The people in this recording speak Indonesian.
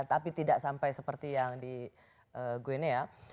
tapi tidak sampai seperti yang di guinea